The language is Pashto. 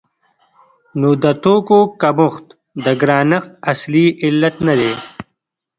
نو د توکو کمښت د ګرانښت اصلي علت نه دی.